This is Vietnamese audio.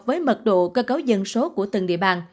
với mật độ cơ cấu dân số của từng địa bàn